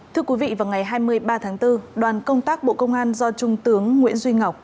thưa quý vị vào ngày hai mươi ba tháng bốn đoàn công tác bộ công an do trung tướng nguyễn duy ngọc